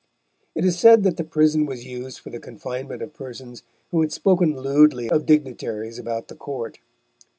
It is said that the prison was used for the confinement of persons who had spoken lewdly of dignitaries about the Court.